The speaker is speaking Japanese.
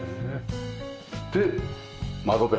で窓辺。